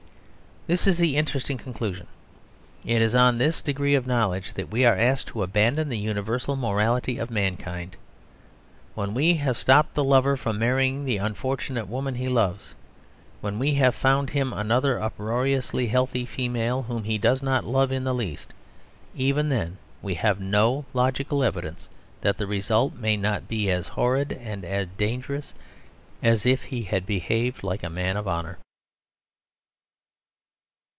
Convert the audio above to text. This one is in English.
This is the interesting conclusion. It is on this degree of knowledge that we are asked to abandon the universal morality of mankind. When we have stopped the lover from marrying the unfortunate woman he loves, when we have found him another uproariously healthy female whom he does not love in the least, even then we have no logical evidence that the result may not be as horrid and dangerous as if he had behaved like a man of honour.